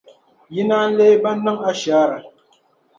Yi naan leei ban niŋ ashaara.